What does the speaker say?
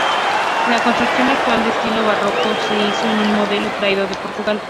La construcción actual, de estilo barroco se hizo con un modelo traído de Portugal.